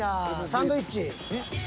サンドイッチ。